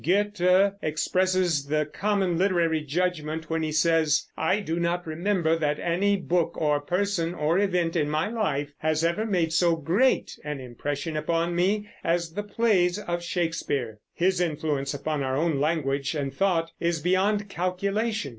Goethe expresses the common literary judgment when he says, "I do not remember that any book or person or event in my life ever made so great an impression upon me as the plays of Shakespeare." His influence upon our own language and thought is beyond calculation.